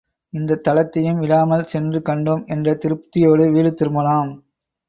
இந்தத் தலத்தையும் விடாமல் சென்று கண்டோம், என்ற திருப்தியோடு வீடு திரும்பலாம்.